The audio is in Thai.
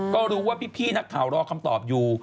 ก็รู้ว่าพี่นักข่าวรอคำตอบอยู่